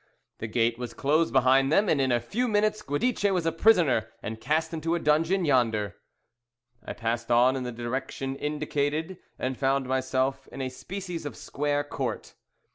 The gate was closed behind them, and in a few minutes Guidice was a prisoner, and cast into a dungeon, yonder." I passed on in the direction indicated, and found myself in a species of square court.